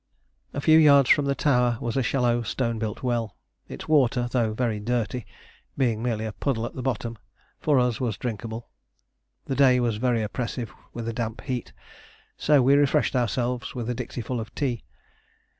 A few yards from the tower was a shallow stone built well. Its water, though very dirty, being merely a puddle at the bottom, for us was drinkable. The day was very oppressive, with a damp heat, so we refreshed ourselves with a dixieful of tea.